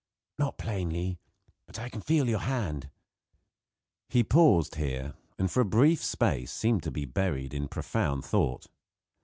"Not plainly; but I can feel your hand." He paused here, and for a brief space seemed buried in profound thought.